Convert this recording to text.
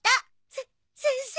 せ先生？